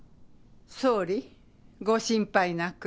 総理ご心配なく。